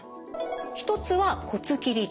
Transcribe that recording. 一つは骨切り術。